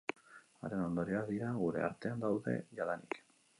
Haren ondorioak dira, gure artean daude jadanik.